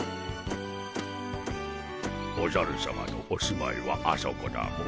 おじゃるさまのお住まいはあそこだモ。